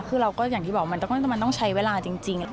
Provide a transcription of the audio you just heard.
คือเราก็อย่างที่บอกมันต้องใช้เวลาจริง